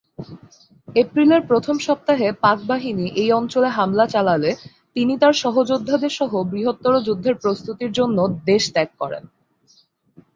এপ্রিলের প্রথম সপ্তাহে পাক বাহিনী এই অঞ্চলে হামলা চালালে তিনি তার সহযোদ্ধাদের সহ বৃহত্তর যুদ্ধের প্রস্তুতির জন্য দেশ ত্যাগ করেন।